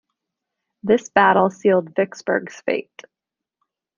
This battle sealed Vicksburg's fate.